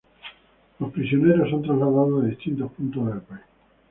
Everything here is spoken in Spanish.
Los prisioneros son trasladados a distintos puntos del país.